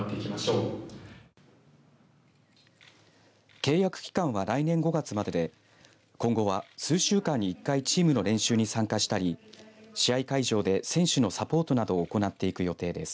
契約期間は来年５月までで今後は数週間に１回チームの練習に参加したり試合会場で選手のサポートなどを行っていく予定です。